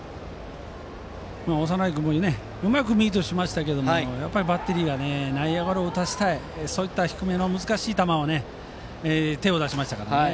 長内君もうまくミートしましたがやっぱりバッテリーの内野ゴロを打たせたいというそういった低めの難しい球に手を出しましたね。